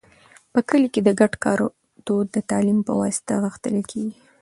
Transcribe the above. په کلي کې د ګډ کار دود د تعلیم په واسطه غښتلی کېږي.